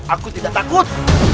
aku tidak takut